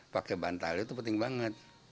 pakai bantal itu penting banget